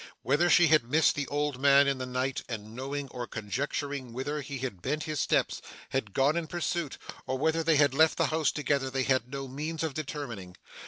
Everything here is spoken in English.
Whether she had missed the old man in the night, and knowing or conjecturing whither he had bent his steps, had gone in pursuit, or whether they had left the house together, they had no means of determining.